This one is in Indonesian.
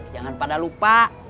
jangan pada lupa